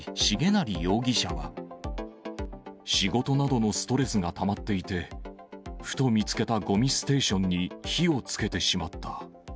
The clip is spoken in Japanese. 仕事などのストレスがたまっていて、ふと見つけたごみステーションに火をつけてしまった。